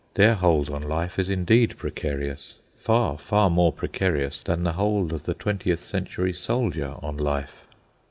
Their hold on life is indeed precarious—far, far more precarious than the hold of the twentieth century soldier on life.